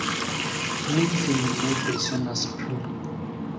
Mi vin ne bezonas plu.